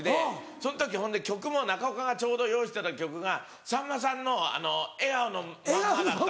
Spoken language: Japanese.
その時ほんで曲も中岡がちょうど用意してた曲がさんまさんの『笑顔のまんま』。